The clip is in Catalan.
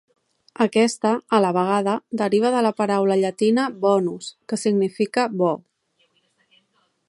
Aquesta, a la vegada, deriva de la paraula llatina "bonus", que significa bo.